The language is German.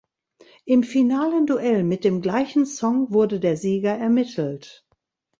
Im finalen Duell mit dem gleichen Song wurde der Sieger ermittelt.